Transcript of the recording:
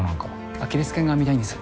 アキレス腱が見たいんです。